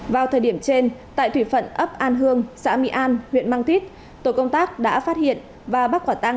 vào thời điểm trên tại thủy phận ấp an hương xã mỹ an huyện mang thít tổ công tác đã phát hiện và bắt quả tang